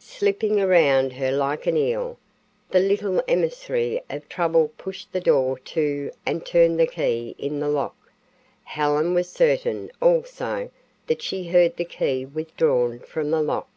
Slipping around her like an eel, the little emissary of trouble pushed the door to and turned the key in the lock. Helen was certain also that she heard the key withdrawn from the lock.